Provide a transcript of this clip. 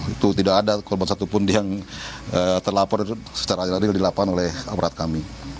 itu tidak ada korban satupun yang terlapor secara adil adil di lapangan oleh aparat kami